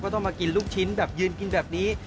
ต้องมากินลูกชิ้นแบบยืนกินแบบนี้